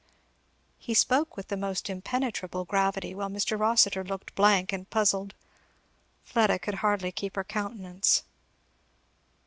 He spoke with the most impenetrable gravity, while Mr. Rossitur looked blank and puzzled. Fleda could hardly keep her countenance.